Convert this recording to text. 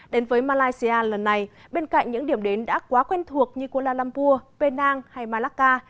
đến với malaysia lần này bên cạnh những điểm đến đã quá quen thuộc như kuala lumpur penang hay malacca